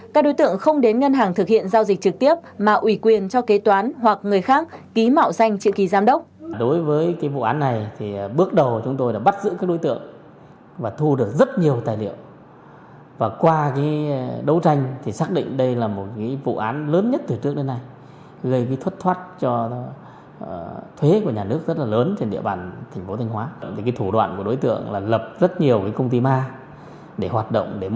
các đối tượng không đến ngân hàng thực hiện giao dịch trực tiếp mà ủy quyền cho kế toán hoặc người khác ký mạo danh trị kỳ giám đốc